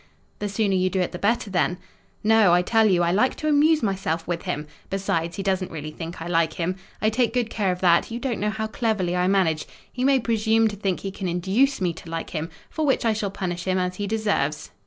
"The sooner you do it the better then." "No; I tell you, I like to amuse myself with him. Besides, he doesn't really think I like him. I take good care of that: you don't know how cleverly I manage. He may presume to think he can induce me to like him; for which I shall punish him as he deserves."